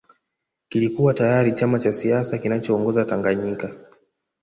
kilikuwa tayari chama cha siasa kinachoongoza Tanganyika